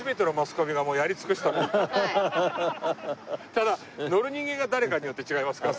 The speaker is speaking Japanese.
ただ乗る人間が誰かによって違いますから。